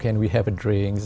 hà nội đã phát triển được